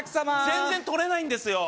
全然取れないんですよ